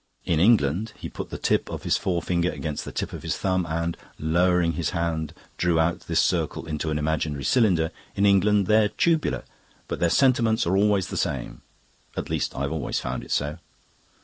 In England" he put the tip of his forefinger against the tip of his thumb and, lowering his hand, drew out this circle into an imaginary cylinder "In England they're tubular. But their sentiments are always the same. At least, I've always found it so."